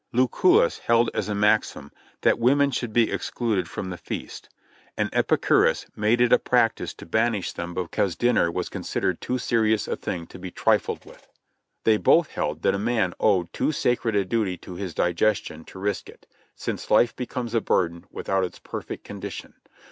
Lucullus held as a maxim that women should be excluded from the feast, and Epicurus made it a practice to so banish them be the; ghost of chantilly 87 cause dinner was considered too serious a thing to be trifled with. They both held that a man owed too sacred a duty to his digestion to risk it, since hfe becomes a burden without its per fect condition.